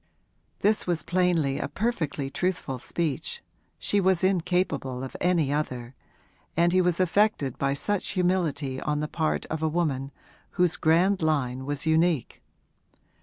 This was plainly a perfectly truthful speech she was incapable of any other and he was affected by such humility on the part of a woman whose grand line was unique.